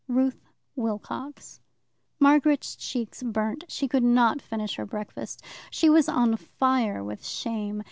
Ruth Wilcox Margaret's cheeks burnt. She could not finish her breakfast. She was on fire with shame.